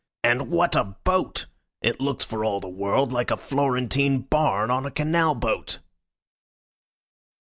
And what a boat! It looks for all the world like a Florentine barn on a canal boat."